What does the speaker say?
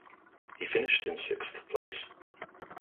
He finished in sixth place.